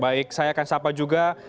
baik saya akan sapa juga